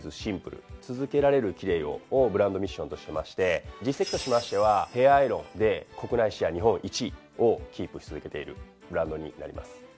「ＢＥＡＵＴＹｉｓｓｉｍｐｌｅ続けられるキレイを」をブランドミッションとしまして実績としましてはヘアアイロンで国内シェア日本１位をキープし続けているブランドになります。